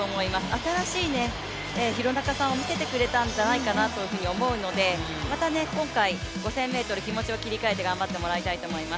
新しい廣中さんを見せてくれたのではないかなと思うので、また今回、５０００ｍ、気持ちを切り替えて頑張ってもらいたいと思います。